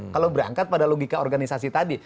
kalau berangkat pada logika organisasi tadi